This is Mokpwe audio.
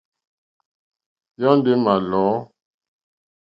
Yɔ́ndɔ̀ é mà lɔ̌.